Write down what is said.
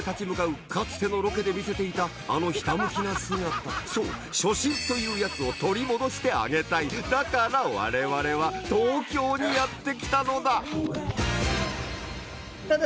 かつてのロケで見せていたあのひた向きな姿そう初心というやつを取り戻してあげたいだからわれわれは東京にやって来たのだ